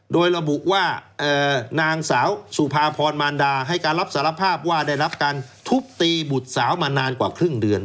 โดยระบุว่านางสาวสุภาพรมารดาให้การรับสารภาพว่าได้รับการทุบตีบุตรสาวมานานกว่าครึ่งเดือน